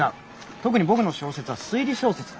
特に僕の小説は推理小説だ。